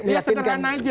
ya sederhana aja